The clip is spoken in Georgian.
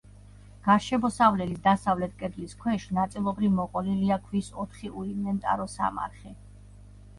გარშემოსავლელის დასავლეთ კედლის ქვეშ ნაწილობრივ მოყოლილია ქვის ოთხი უინვენტარო სამარხი.